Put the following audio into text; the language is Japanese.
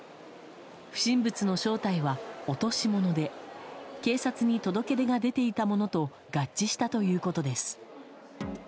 不審物の正体は、落とし物で警察に届け出が出ていたものと合致したということです。